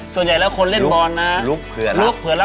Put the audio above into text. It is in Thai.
ส่วนใหญ่แล้วคนเล่นบอลนะลุกเผลอรับ